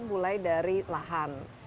mulai dari lahan